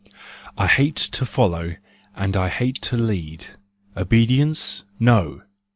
I hate to follow and I hate to lead. Obedience ? no!